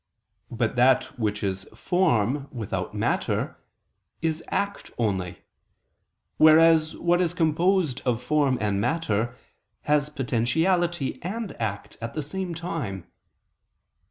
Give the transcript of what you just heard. But that which is form without matter, is act only: whereas what is composed of form and matter, has potentiality and act at the same time.